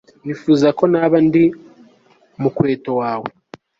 Nifuzaga ko naba ndi mukweto wawe